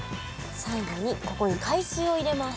最後にここに海水を入れます。